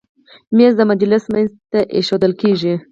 مېز د مجلس منځ ته ایښودل کېږي.